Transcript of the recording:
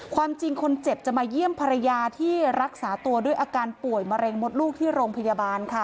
ความจริงคนเจ็บจะมาเยี่ยมภรรยาที่รักษาตัวด้วยอาการป่วยมะเร็งมดลูกที่โรงพยาบาลค่ะ